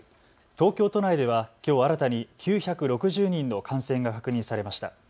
東京都内ではきょう新たに９６０人の感染が確認されました。